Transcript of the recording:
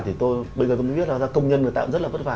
thì bây giờ tôi mới biết là công nhân người ta cũng rất là vất vả